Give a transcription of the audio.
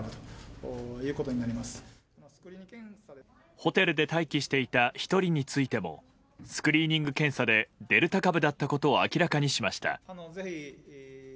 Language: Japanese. ホテルで待機していた１人についてもスクリーニング検査でデルタ株だったことを明らかにしました。